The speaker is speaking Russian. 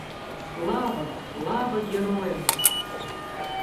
Слава, Слава героям!!!